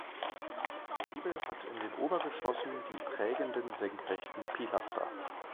Der Giebel hat in den Obergeschossen die prägenden senkrechten Pilaster.